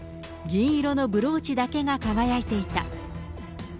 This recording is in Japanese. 銀色のブローチだけが輝いていた。